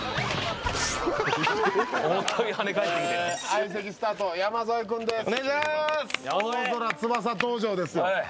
相席スタート・山添君です。